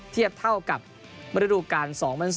เทียบเท่ากับระดูกการ๒๐๐๔๒๐๐๕